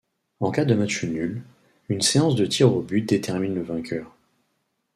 En cas de match nul, une séance de tirs au but détermine le vainqueur.